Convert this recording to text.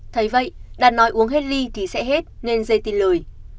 thấy vậy đạt nói uống hết ly thì sẽ hết nên dê tin lời